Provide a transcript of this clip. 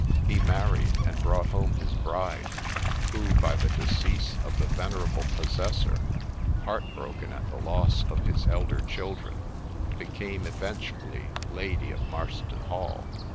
He married, and brought home his bride : who, by the decease of the venerable possessor, heart broken at the loss of his elder children, became eventually lady of Marston Hall.